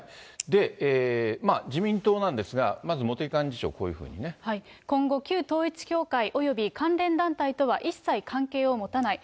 自民党なんですが、まず茂木幹事長、今後、旧統一教会および関連団体とは一切関係を持たない。